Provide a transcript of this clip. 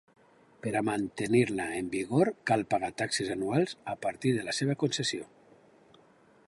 Per a mantenir-la en vigor cal pagar taxes anuals a partir de la seva concessió.